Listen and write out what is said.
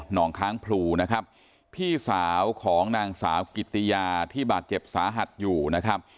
องค้างพลูนะครับพี่สาวของนางสาวกิตติยาที่บาดเจ็บสาหัสอยู่นะครับ